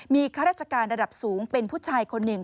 มีข้าราชการระดับสูงเป็นผู้ชายคนหนึ่ง